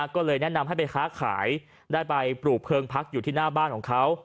ก็เลยแนะนำให้ไปค้าขายได้ไปปลูกเพลิงพักอยู่ที่หน้าบ้านของเขา